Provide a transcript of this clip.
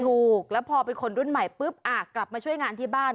ถูกแล้วพอเป็นคนรุ่นใหม่ปุ๊บกลับมาช่วยงานที่บ้าน